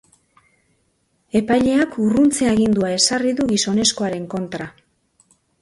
Epaileak urruntze-agindua ezarri du gizonezkoaren kontra.